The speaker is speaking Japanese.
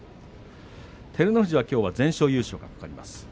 照ノ富士はきょう全勝優勝が懸かります。